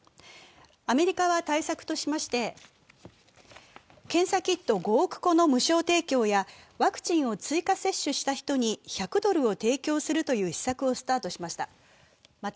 アメリカは対策としまして、検査キット５億個の無償提供やワクチンを追加接種した人に１００ドルを提供するという施策をスタートしました。